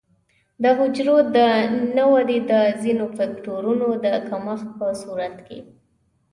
د حجرو د نه ودې د ځینو فکټورونو د کمښت په صورت کې.